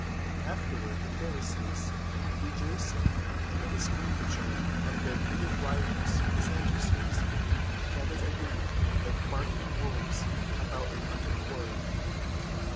_" Afterward the Pharisees, rejoicing in the discomfiture of their hated rivals, the Sadducees, gathered again like barking wolves about a hunted quarry.